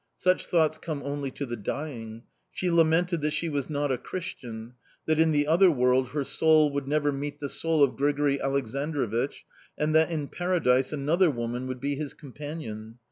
Such thoughts come only to the dying!... She lamented that she was not a Christian, that in the other world her soul would never meet the soul of Grigori Aleksandrovich, and that in Paradise another woman would be his companion.